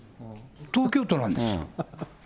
東京都なんですと。